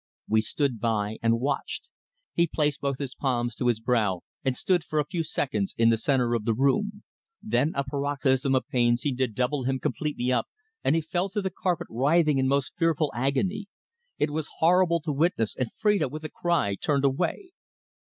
We stood by and watched. He placed both his palms to his brow and stood for a few seconds in the centre of the room. Then a paroxysm of pain seemed to double him completely up, and he fell to the carpet writhing in most fearful agony. It was horrible to witness, and Phrida, with a cry, turned away.